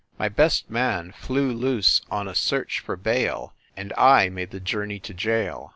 My best man flew loose on a search for bail, and I made the journey to jail.